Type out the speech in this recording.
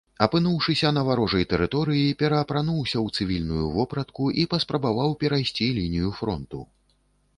Апынуўшыся на варожай тэрыторыі, пераапрануўся ў цывільную вопратку і паспрабаваў перайсці лінію фронту.